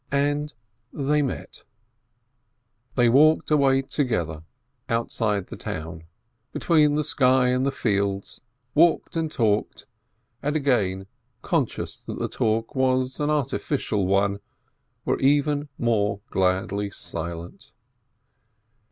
And they met. , They walked away together, outside the town, between the sky and the fields, walked and talked, and again, conscious that the talk was an artificial one, were even more gladly silent.